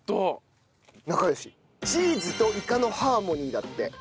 「チーズといかのハーモニー」だって。